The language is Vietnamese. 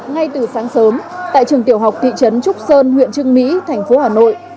ngay từ sáng sớm tại trường tiểu học thị trấn trúc sơn huyện trưng mỹ thành phố hà nội